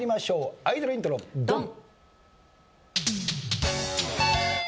アイドルイントロドン！